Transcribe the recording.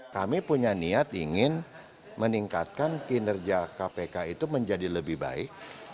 kami punya niat ingin meningkatkan kinerja kpk itu menjadi lebih baik